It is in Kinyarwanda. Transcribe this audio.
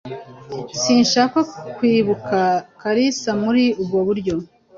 Sinshaka kwibuka Kalisa muri ubwo buryo.